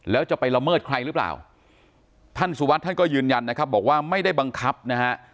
แล้วจะไปละเมิดใครหรือเปล่าท่านสุวัสดิ์ท่านก็ยืนยันนะครับบอกว่าไม่ได้บังคับนะฮะ